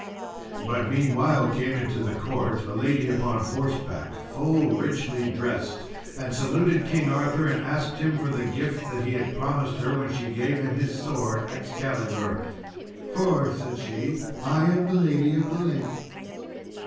But meanwhile came into the court a lady upon horseback, full richly dressed, and saluted King Arthur, and asked him for the gift that he had promised her when she gave him his sword Excalibur, "for," said she, "I am the lady of the lake."